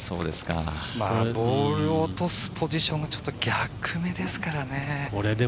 ボールを落とすポジションがちょっと逆目ですからね。